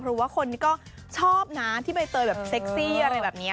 เพราะว่าคนนี้ก็ชอบนะที่ใบเตยแบบเซ็กซี่อะไรแบบนี้